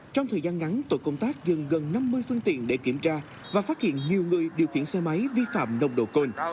trong thời gian ngắn tội công tác dừng gần năm mươi phương tiện để kiểm tra và phát hiện nhiều người điều khiển xe máy vi phạm nồng độ cồn